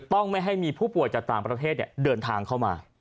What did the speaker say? ต้องไม่ให้มีผู้ป่วยจากต่างประเทศเดินทางเข้ามา